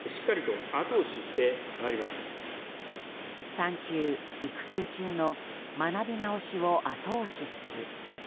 産休・育休中の学び直しを後押しする。